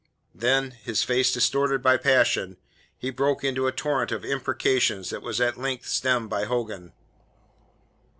Then his face distorted by passion he broke into a torrent of imprecations that was at length stemmed by Hogan.